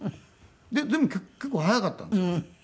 でも結構速かったんですよ。